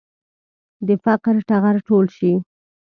د فقر ټغر ټول شي.